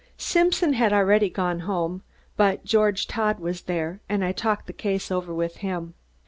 Simpson had already gone home, but George Todd was there, and I talked the case over with him.